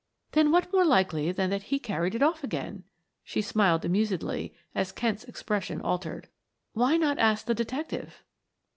"Then what more likely than that he carried it off again?" She smiled amusedly as Kent's expression altered. "Why not ask the detective?"